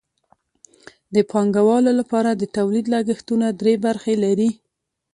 د پانګوالو لپاره د تولید لګښتونه درې برخې لري